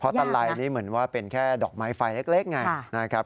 เพราะตลัลายนี้เหมือนว่าเป็นแค่ดอกไม้ไฟเล็กอย่างนี้นะครับ